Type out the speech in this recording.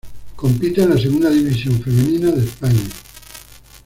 Compite en la Segunda División Femenina de España.